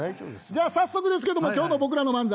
じゃあ早速ですけども今日の僕らの漫才